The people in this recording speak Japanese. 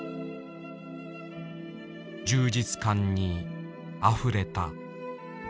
充実感にあふれた。